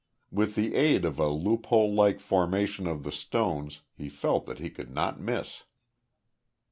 With the aid of a loophole like formation of the stones he felt that he could not miss.